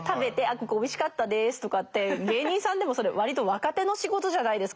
ここおいしかったですとかって芸人さんでもそれ割と若手の仕事じゃないですか。